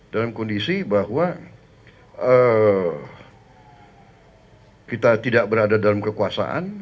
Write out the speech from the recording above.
dalam kondisi bahwa kita tidak berada dalam kekuasaan